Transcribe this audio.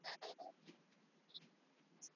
আমি বিশ্বাস করি সব কিছুরই একটি ব্যাখা আছে।